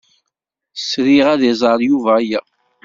Sriɣ ad iẓer Yuba aya.